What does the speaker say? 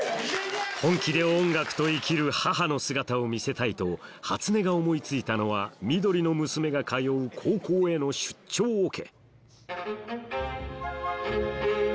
本気で音楽と生きる母の姿を見せたいと初音が思い付いたのはみどりの娘が通う高校への出張オケ